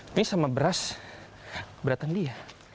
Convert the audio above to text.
ini sama beras keberatan dia